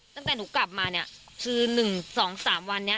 ตั้งแต่หนูกลับมาเนี่ยคือ๑๒๓วันนี้